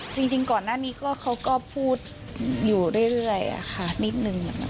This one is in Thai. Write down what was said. จริงก่อนหน้านี้เขาก็พูดอยู่เรื่อยนิดนึง